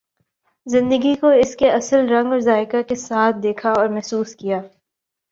زندگی کو اس کے اصل رنگ اور ذائقہ کے ساتھ دیکھا اور محسوس کیا